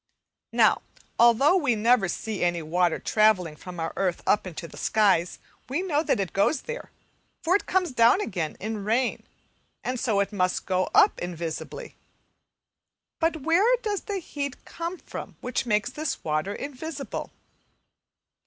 Now, although we never see any water travelling from our earth up into the skies, we know that it goes there, for it comes down again in rain, and so it must go up invisibly. But where does the heat come from which makes this water invisible?